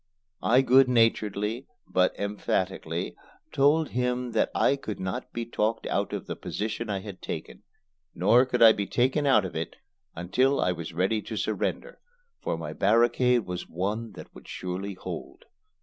I good naturedly, but emphatically, told him that I could not be talked out of the position I had taken; nor could I be taken out of it until I was ready to surrender, for my barricade was one that would surely hold.